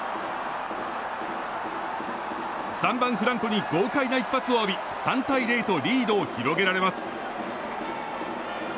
３番、フランコに豪快な一発を浴び３対０とリードを広げられます。